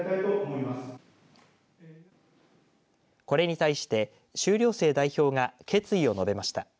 これに対して修了生代表が決意を述べました。